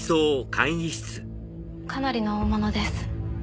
かなりの大物です。